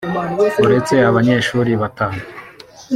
uretse abanyeshuri batanu